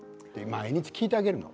毎日聞いてあげるの。